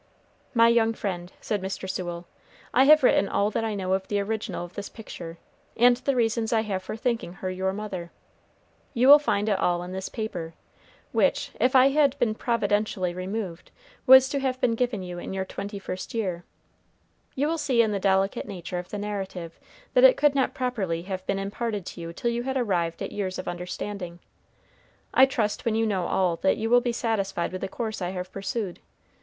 "My young friend," said Mr. Sewell, "I have written all that I know of the original of this picture, and the reasons I have for thinking her your mother. "You will find it all in this paper, which, if I had been providentially removed, was to have been given you in your twenty first year. You will see in the delicate nature of the narrative that it could not properly have been imparted to you till you had arrived at years of understanding. I trust when you know all that you will be satisfied with the course I have pursued.